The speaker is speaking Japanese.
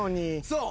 そう！